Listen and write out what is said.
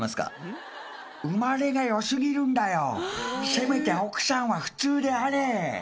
せめて奥さんは普通であれ。